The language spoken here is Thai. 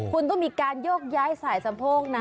คุณต้องมีการโยกย้ายสายสะโพกนะ